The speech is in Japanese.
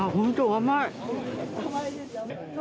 甘い。